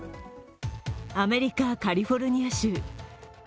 アメリカ・カリフォルニア州。